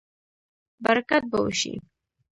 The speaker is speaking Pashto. برکت به وشي